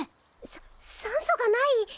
さ酸素がない！？